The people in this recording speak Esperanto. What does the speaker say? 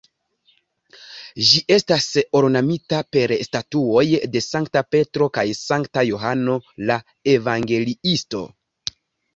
Ĝi estas ornamita per statuoj de Sankta Petro kaj Sankta Johano la Evangeliisto.